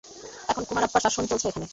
এখন কুমারাপ্পার শাসন চলছে ওখানে।